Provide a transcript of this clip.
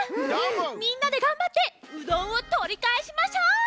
みんなでがんばってうどんをとりかえしましょう！